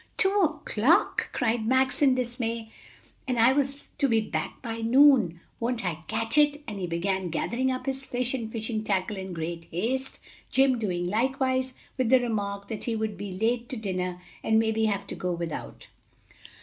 "Two o'clock!" cried Max in dismay, "and I was to be back by noon! Won't I catch it!" and he began gathering up his fish and fishing tackle in great haste, Jim doing likewise, with the remark that he would be late to dinner and maybe have to go without.